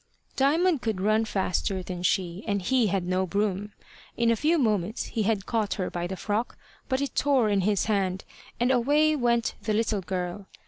Diamond could run faster than she, and he had no broom. In a few moments he had caught her by the frock, but it tore in his hand, and away went the little girl.